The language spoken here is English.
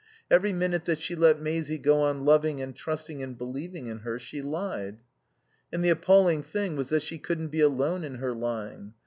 Every minute that she let Maisie go on loving and trusting and believing in her she lied. And the appalling thing was that she couldn't be alone in her lying.